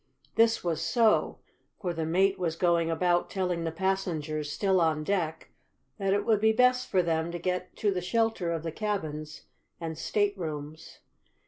This was so, for the mate was going about telling the passengers still on deck that it would be best for them to get to the shelter of the cabins and staterooms.